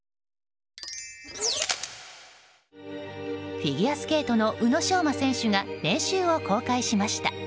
フィギュアスケートの宇野昌磨選手が練習を公開しました。